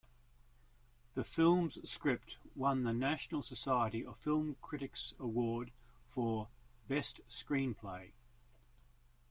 The film's script won the National Society of Film Critics award for Best Screenplay.